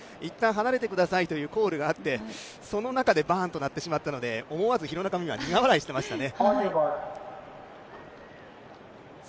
いったん離れてくださいっていうコールがあってそのあと鳴ったので思わず廣中も苦笑いしていましたね。